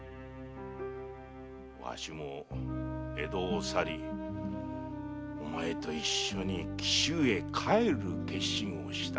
わしも江戸を去りお前と一緒に紀州へ帰る決心をした。